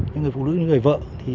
những người phụ nữ như người vợ